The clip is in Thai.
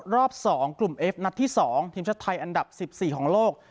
รอบสองกลุ่มเอฟนัดที่สองทีมชาติไทยอันดับสิบสี่ของโลก